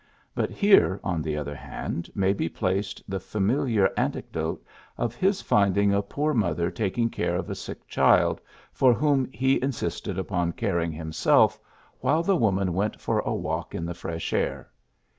But here, on the other hand, may be placed the familiar anecdote of his finding a poor mother taking care of a sick child, for whom he insisted upon caring himself PHILLIPS BROOKS 23 while the woman went for a walk in the fresh air.